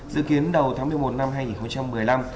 dự kiến đầu tháng một mươi một năm hai nghìn một mươi năm